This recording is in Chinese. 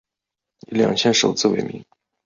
以两县首字为名。